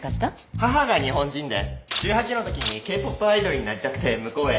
母が日本人で１８のときにＫ−ＰＯＰアイドルになりたくて向こうへ。